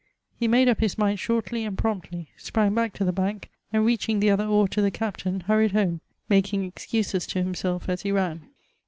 He made up his mind shortly and promptly; sprang back to the bank, and reaching the other oar to the Captain, hurried home — making excuses to himself as he ran.